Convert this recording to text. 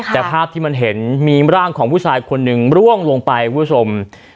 แต่ภาพที่มันเห็นมีร่างของผู้ชายคนหนึ่งร่วงลงไปคุณผู้ชม